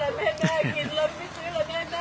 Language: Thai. วันที่สุดท้ายเกิดขึ้นเกิดขึ้น